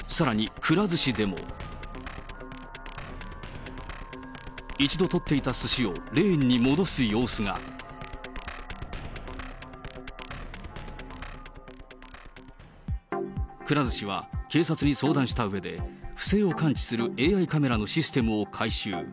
くら寿司は、警察に相談したうえで、不正を感知するＡＩカメラのシステムを改修。